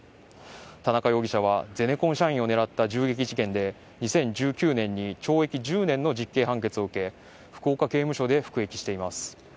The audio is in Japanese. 田中容疑者はゼネコン社員を狙った襲撃事件で２０１９年に懲役１０年の実刑判決を受け福岡刑務所で服役しています。